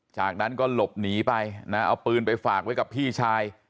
จากนั้นก็หลบหนีไปนะเอาปืนไปฝากไว้กับพี่ชาย